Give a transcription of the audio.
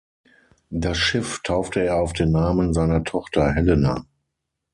Das Schiff taufte er auf den Namen seiner Tochter Helena.